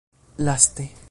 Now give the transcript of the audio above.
Laste.